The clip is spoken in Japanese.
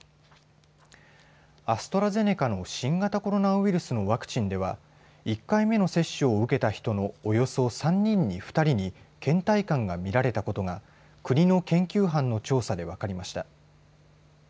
アストラゼネカの新型コロナウイルスのワクチンでは１回目の接種を受けた人のおよそ３人に２人にけん怠感が見られたことが国の研究班の調査で分かりました。